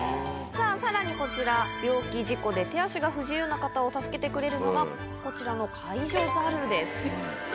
さあ、さらにこちら、病気、事故で手足が不自由な方を助けてくれるのが、こちらの介助ザルです。